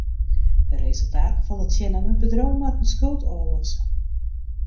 De resultaten falle tsjin en it bedriuw moat in skuld ôflosse.